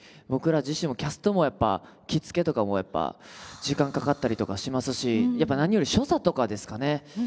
僕ら自身もキャストもやっぱ着付けとかも時間かかったりとかしますしやっぱ何より所作とかですかね。